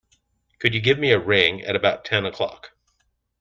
Could you give me a ring at about ten o'clock?